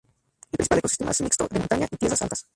El principal ecosistema es mixto de montaña y tierras altas.